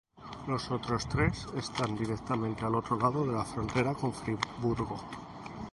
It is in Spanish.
Los otros tres están directamente al otro lado de la frontera con Friburgo.